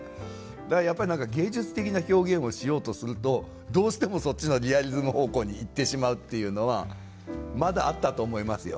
だからやっぱり芸術的な表現をしようとするとどうしてもそっちのリアリズム方向に行ってしまうっていうのはまだあったと思いますよ。